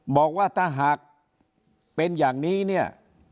บอกว่าถ้าหากเป็นอย่างนี้